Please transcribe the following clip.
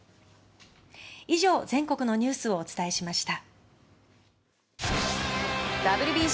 以上、全国のニュースをお伝えしました。